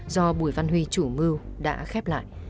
do bùi văn huy chủ mưu đã khép lại